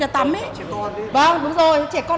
thì ok mình không